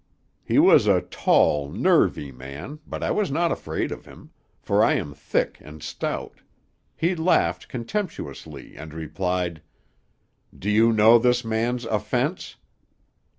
"He was a tall, nervy man, but I was not afraid of him; for I am thick and stout. He laughed contemptuously, and replied, "'Do you know this man's offence?'